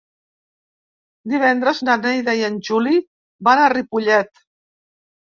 Divendres na Neida i en Juli van a Ripollet.